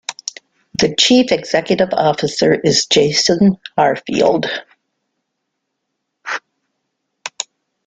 The Chief Executive Officer is Jason Harfield.